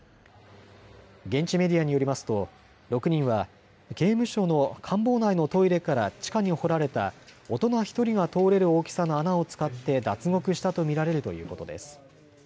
現地メディアによりますと６人は刑務所の監房内のトイレから地下に掘られた大人１人が通れる大きさの穴を使って脱獄したと見られるということです。